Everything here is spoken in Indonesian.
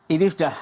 ini sudah lama